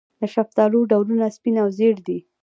د شفتالو ډولونه سپین او ژیړ دي.